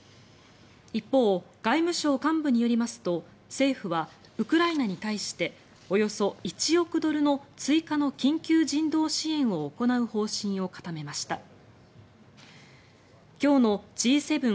一方、外務省幹部によりますと政府はウクライナに対しておよそ１億ドルの追加の緊急人道支援を行う方針を固めました。